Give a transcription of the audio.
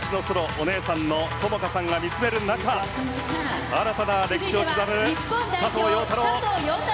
お姉さんの友花さんが見つめる中新たな歴史を刻む佐藤陽太郎。